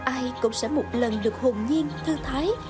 ai cũng sẽ một lần được hồn nhiên thư thái